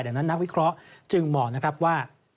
ดังนั้นนักวิเคราะห์จึงมองว่า